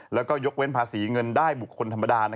แล้วก็ยกเว้นภาษีเงินได้บุคคลธรรมดา